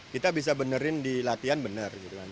kita bisa benerin di latihan benar gitu kan